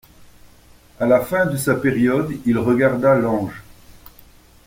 A la fin de sa période, il regarda l'ange.